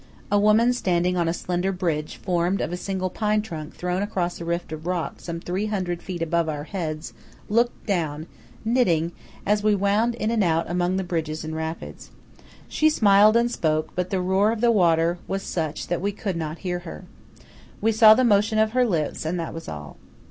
A woman standing on a slender bridge formed of a single pine trunk thrown across a rift of rock some three hundred feet above our heads, looked down, knitting, as we wound in and out among the bridges and rapids. She smiled and spoke; but the roar of the water was such that we could not hear her. We saw the motion of her lips, and that was all.